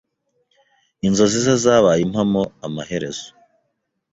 Inzozi ze zabaye impamo amaherezo.